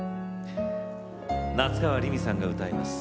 夏川りみさんが歌います。